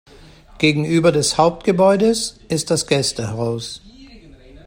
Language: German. Gegenüber des Hauptgebäudes ist das Gästehaus.